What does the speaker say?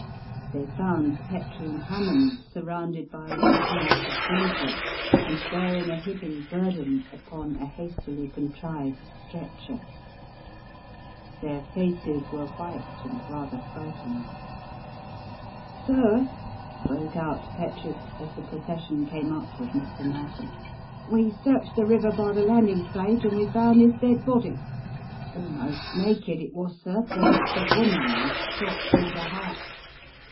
They found Petrie and Hammond surrounded by a little knot of villagers, and bearing a hidden burden upon a hastily contrived stretcher. Their faces were white, and rather frightened. "Sir," broke out Petrie, as the procession came up with Mr. Narkom, "we searched the river by the landing stage, and we found this dead body. Almost naked it was, sir, but it's a woman, and shot through the heart.